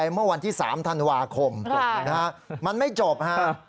เมื่อวันที่๓ธันวาคมนะครับมันไม่จบนะครับ